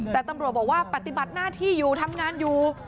แต่ตำรวจบอกว่าปฏิบัติหน้าที่อยู่ทำงานอยู่